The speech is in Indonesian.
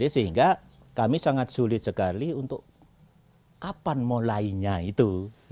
sehingga kami sangat sulit sekali untuk kapan mulainya itu